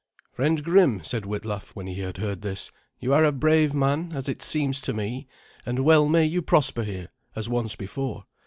"Friend Grim," said Witlaf when he had heard this, "you are a brave man, as it seems to me, and well may you prosper here, as once before.